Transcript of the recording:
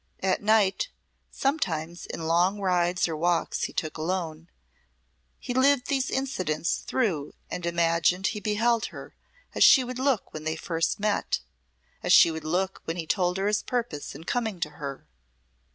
At night, sometimes in long rides or walks he took alone, he lived these incidents through and imagined he beheld her as she would look when they first met, as she would look when he told her his purpose in coming to her.